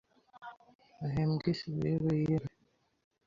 ehehembwe Isibo yebeye Iye mbere